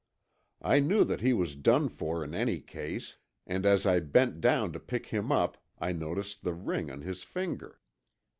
I knew that he was done for in any case and as I bent down to pick him up I noticed the ring on his finger.